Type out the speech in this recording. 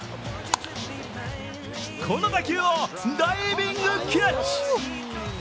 この打球をダイビングキャッチ。